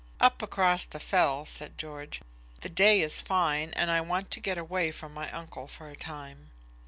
"Up across the fell," said George; "the day is fine, and I want to get away from my uncle for a time."